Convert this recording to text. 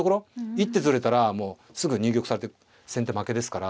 一手ずれたらもうすぐ入玉されて先手負けですから。